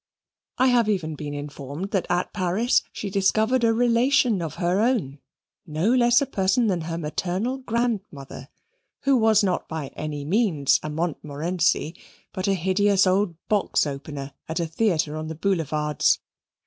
I have even been informed that at Paris she discovered a relation of her own, no less a person than her maternal grandmother, who was not by any means a Montmorenci, but a hideous old box opener at a theatre on the Boulevards.